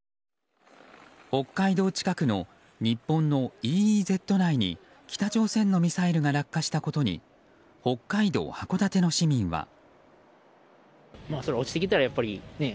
北海道近くの日本のＥＥＺ内に北朝鮮のミサイルが落下したことに北海道函館の市民は。